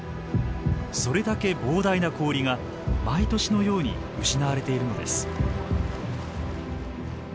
それだけ膨大な氷が毎年のように失われているのです。